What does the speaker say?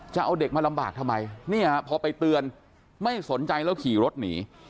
จะเอาเด็กมาลำบากทำไมเนี่ยพอไปเตือนไม่สนใจแล้วขี่รถหนี